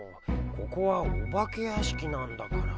ここはお化け屋敷なんだから。